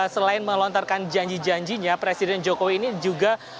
selain melontarkan janji janjinya presiden jokowi ini juga